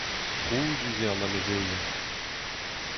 Trouzus eo an amezeien.